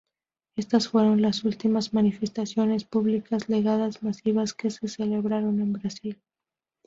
Estas fueron las últimas manifestaciones públicas legales masivas que se celebraron en Brasil.